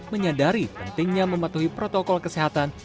menyadari pentingnya mematuhi protokol kesehatan